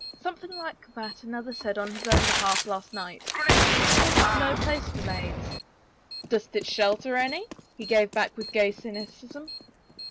" Something like that another said on his own behalf last night. This court is no place for maids." 60 HOPE RENEWED " Doth it shelter any ?" he gave back with gay cyn icism.